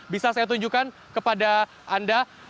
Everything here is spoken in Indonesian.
bisa saya tunjukkan kepada anda